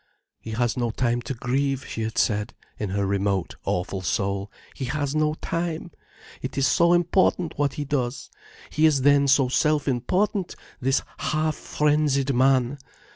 "He has no time to grieve," she had said, in her remote, awful soul. "He has no time. It is so important, what he does! He is then so self important, this half frenzied man!